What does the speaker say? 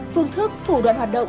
phương thức thủ đoạn hoạt động